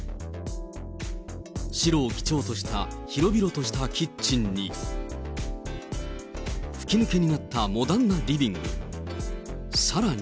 白を基調とした広々としたキッチンに、吹き抜けになったモダンなリビング。